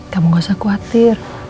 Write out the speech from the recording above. kamu gak usah khawatir